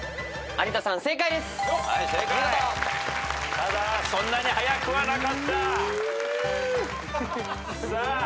ただそんなに早くはなかった。